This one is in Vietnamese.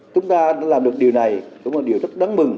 chúng ta đã làm được điều này cũng là điều rất đáng mừng